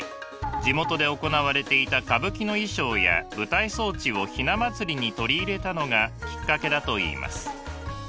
地元で行われていた歌舞伎の衣装や舞台装置を雛祭りに取り入れたのがきっかけだといいます。